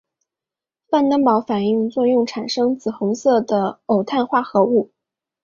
范登堡反应作用产生紫红色的偶氮化合物。